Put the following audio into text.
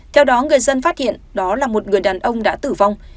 theo đó người dân phát hiện đó là một người đàn ông đã tử vong